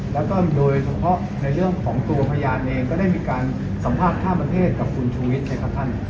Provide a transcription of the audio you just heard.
แล้วก็โดยเฉพาะในเรื่องของตัวพยานเองก็ได้มีการสัมภาษณ์ข้ามประเทศกับคุณชูวิทย์ไหมครับท่าน